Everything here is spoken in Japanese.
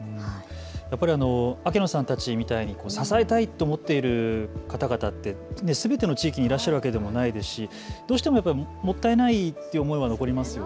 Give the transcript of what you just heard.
やっぱり明野さんたちみたいに支えたいと思っている方々ってすべての地域にいらっしゃるわけでもないですし、どうしてももったいないという思いは残りますね。